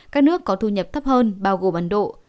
các nước có thu nhập thấp hơn bao gồm ấn độ